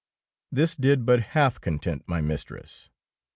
This did but half content my mis tress.